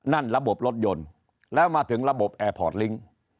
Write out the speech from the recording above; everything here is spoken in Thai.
นั่นระบบรถยนต์แล้วมาถึงระบบแอร์พอร์ตลิงค์